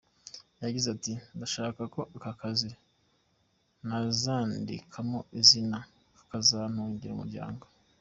Yagize ati “Ndashaka ko aka kazi nazandikamo izina kakazantungira umuryango.